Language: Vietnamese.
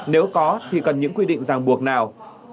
nếu có thì cần những quy định ràng buộc nào